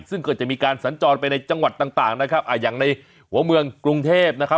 ซึ่งก็จะมีการสัญจรไปในจังหวัดต่างนะครับอย่างในหัวเมืองกรุงเทพนะครับ